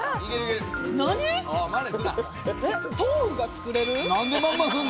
豆腐が作れる。